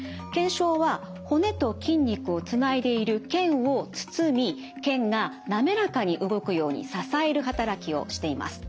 腱鞘は骨と筋肉をつないでいる腱を包み腱が滑らかに動くように支える働きをしています。